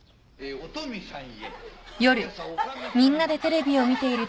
お富さんへ。